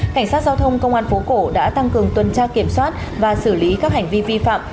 cảnh sát giao thông công an phố cổ đã tăng cường tuần tra kiểm soát và xử lý các hành vi vi phạm